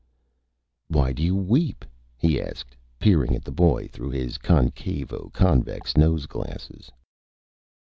"Why do you weep?" he asked, peering at the Boy through his concavo convex Nose Glasses.